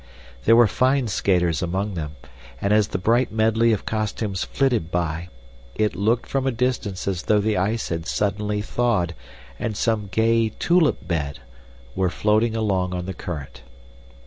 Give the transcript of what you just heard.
There were fine skaters among them, and as the bright medley of costumes flitted by, it looked from a distance as though the ice had suddenly thawed and some gay tulip bed were floating along on the current.